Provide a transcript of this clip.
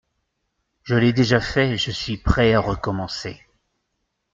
Je l'ai déjà fait, je suis prêt à recommencer.